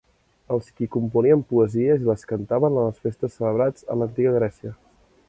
Els qui componien poesies i les cantaven en les festes celebrats a l'antiga Grècia.